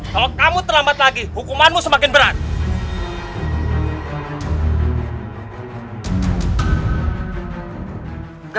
kalau kamu terlambat lagi